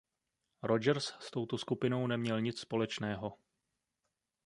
Rogers s touto skupinou neměl nic společného.